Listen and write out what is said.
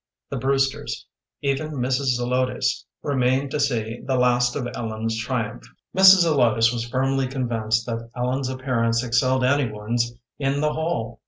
The Brewsters, even Mrs. Zelotes, remained to see the last of Ellen's triumph. Mrs. Zelotes was firmly convinced that Ellen's appearance excelled any one's in the hall.